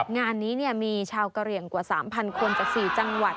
งานนี้เนี่ยมีชาวกะเรียงกว่า๓๐๐๐คนจาก๔จังหวัด